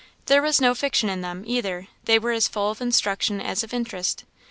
There was no fiction in them, either; they were as full of instruction as of interest.